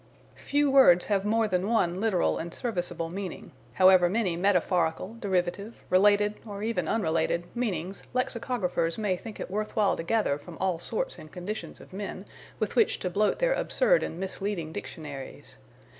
Few words have more than one literal and serviceable meaning, however many metaphorical, derivative, related, or even unrelated, meanings lexicographers may think it worth while to gather from all sorts and conditions of men, with which to bloat their absurd and misleading dictionaries.